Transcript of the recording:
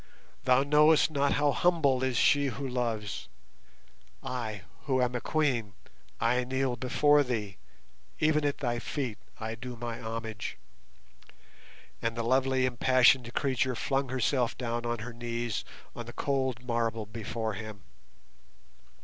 thou knowest not how humble is she who loves; I, who am a Queen, I kneel before thee, even at thy feet I do my homage;" and the lovely impassioned creature flung herself down on her knees on the cold marble before him.